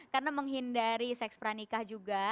karena menghindari seks peranikan juga